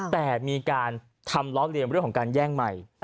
แต่มีการทำล้อเลียนเรื่องของการแย่งใหม่